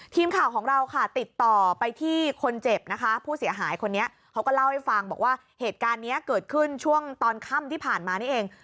ทีมข่าวของเราค่ะติดต่อไปที่คนเจ็บนะคะผู้เสียหายคนนี้เขาก็เล่าให้ฟังบอกว่าเหตุการณ์นี้เกิดขึ้นช่วงตอนค่ำที่ผ่านมานี่เอง